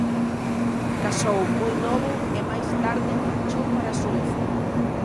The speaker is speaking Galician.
Casou moi novo e máis tarde marchou para Suíza.